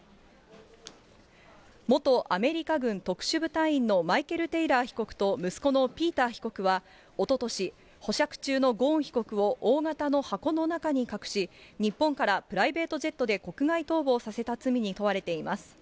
元アメリカ軍特殊部隊員のマイケル・テイラー被告と息子のピーター被告は、おととし、保釈中のゴーン被告を大型の箱の中に隠し、日本からプライベートジェットで国外逃亡させた罪に問われています。